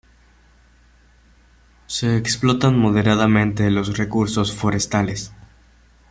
Se explotan moderadamente los recursos forestales.